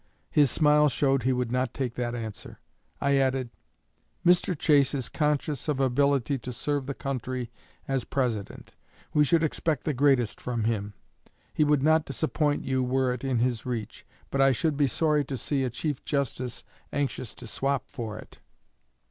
His smile showed he would not take that answer. I added: 'Mr. Chase is conscious of ability to serve the country as President. We should expect the greatest from him.' 'He would not disappoint you, were it in his reach. But I should be sorry to see a Chief Justice anxious to swap for it.'